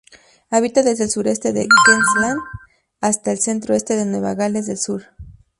Habita desde el sureste de Queensland hasta el centro-este de Nueva Gales del Sur.